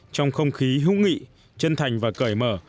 trong không khí hữu nghị chân thành và cởi mở